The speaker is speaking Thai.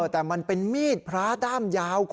แต่มันเป็นมีดพระด้ามยาว